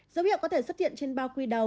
dấu hiệu có thể xuất hiện trên bao quy đầu